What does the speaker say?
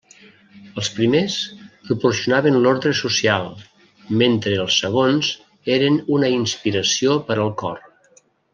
Els primers proporcionaven l'ordre social, mentre els segons eren una inspiració per al cor.